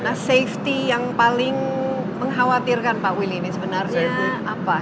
nah safety yang paling mengkhawatirkan pak willy ini sebenarnya apa